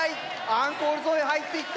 アンコールゾーンへ入っていった！